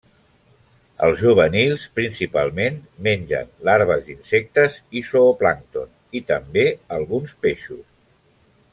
Els juvenils, principalment, mengen larves d'insectes i zooplàncton, i, també, alguns peixos.